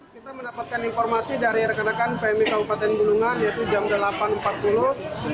kita mendapatkan informasi dari rekan rekan pmi kabupaten bulungan yaitu jam delapan empat puluh